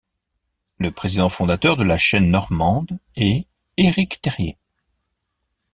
Le président fondateur de La Chaîne Normande est Éric Terrier.